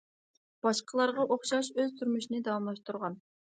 باشقىلارغا ئوخشاش ئۆز تۇرمۇشىنى داۋاملاشتۇرغان.